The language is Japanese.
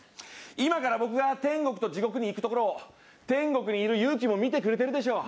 今から僕が天国と地獄に行くところを天国にいるユウキも見てくれているでしょう。